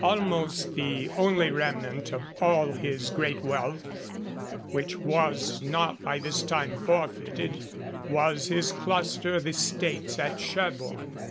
Almost the only remnant of all his great wealth which was not by this time forfeited, was his cluster of estates at Sherborne.